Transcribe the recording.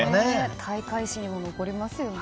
大会史にも残りますよね。